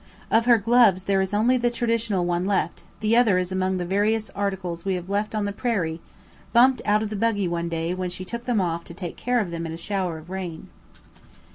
Of her gloves there is only the traditional one left; the other is among the various articles we have left on the prairie, bumped out of the buggy one day when she took them off to take care of them in a shower of rain.